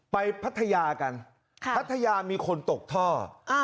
ไปพัทยากันค่ะพัทยามีคนตกท่ออ้าว